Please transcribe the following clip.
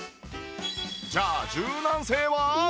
じゃあ柔軟性は？